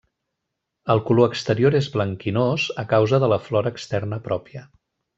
El color exterior és blanquinós a causa de la flora externa pròpia.